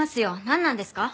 なんなんですか？